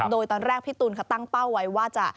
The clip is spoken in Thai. โดยตอนแรกพี่ตูนเขาตั้งเป้าไว้ว่าจะ